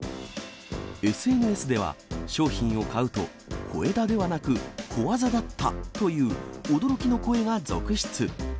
ＳＮＳでは、商品を買うと、小枝ではなく、小技だったという驚きの声が続出。